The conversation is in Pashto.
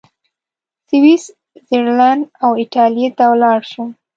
سویس زرلینډ او ایټالیې ته ولاړ شم.